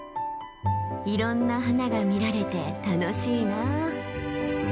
いろんな花が見られて楽しいな。